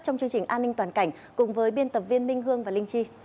trong chương trình an ninh toàn cảnh cùng với biên tập viên minh hương và linh chi